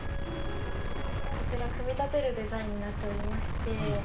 こちら組み立てるデザインになっておりまして。